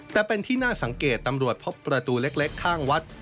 แต่เป็นที่น่าสังเกตตำรวจพบประตูเล็กข้างวัด